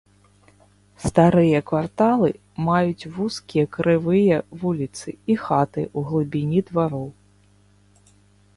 Старыя кварталы маюць вузкія крывыя вуліцы і хаты ў глыбіні двароў.